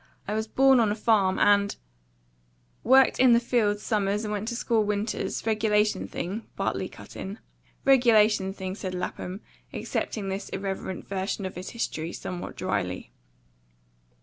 I was born on a farm, and " "Worked in the fields summers and went to school winters: regulation thing?" Bartley cut in. "Regulation thing," said Lapham, accepting this irreverent version of his history somewhat dryly.